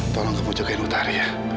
tolong kamu jagain utari ya